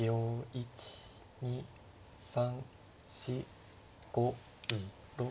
１２３４５６。